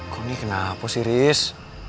kau ini kenapa sih riz